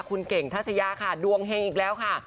คุณเก่งทัชยาค่ะดวงเฮงอีกแล้วค่ะ